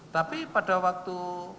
tapi pada waktu